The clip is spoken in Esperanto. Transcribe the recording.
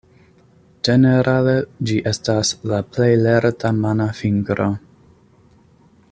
Ĝenerale ĝi estas la plej lerta mana fingro.